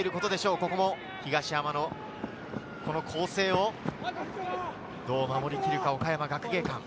ここは東山の攻勢をどう守りきるか、岡山学芸館。